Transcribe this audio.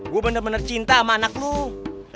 gua bener bener cinta sama anak lu ya